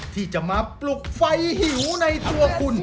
ที่จะมาปลุกไฟหิวในตัวคุณ